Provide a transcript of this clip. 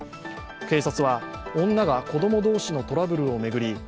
警察は女が子供同士のトラブルを巡り